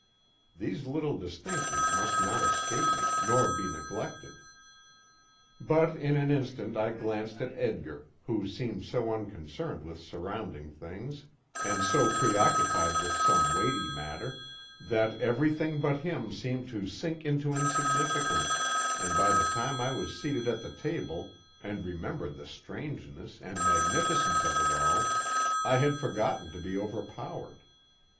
(These little distinctions must not escape me, nor be neglected.) But in an instant I glanced at Edgar, who seemed so unconcerned with surrounding things, and so preoccupied with some weighty matter, that everything but him seemed to sink into insignificance, and by the time I was seated at the table, and remembered the strangeness and magnificence of it all, I had forgotten to be overpowered.